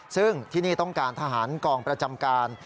ซึ่งที่นี่ต้องการทหารกองประจำการ